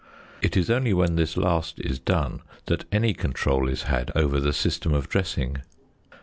It is only when this last is done that any control is had over the system of dressing.